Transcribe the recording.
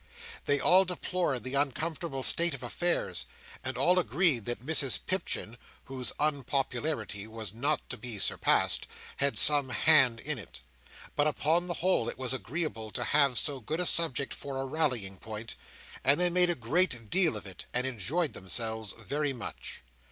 They all deplored the uncomfortable state of affairs, and all agreed that Mrs Pipchin (whose unpopularity was not to be surpassed) had some hand in it; but, upon the whole, it was agreeable to have so good a subject for a rallying point, and they made a great deal of it, and enjoyed themselves very much.